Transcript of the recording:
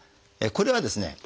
これはですね